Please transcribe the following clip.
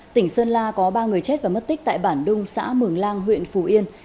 tỉnh sơn la có ba người chết và mất tích tại bản đung xã mường lang huyện phù yên